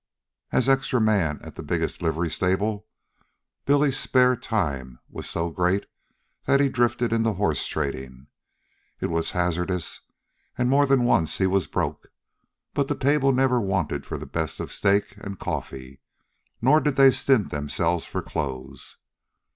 As extra man at the biggest livery stable, Billy's spare time was so great that he drifted into horse trading. It was hazardous, and more than once he was broke, but the table never wanted for the best of steak and coffee, nor did they stint themselves for clothes.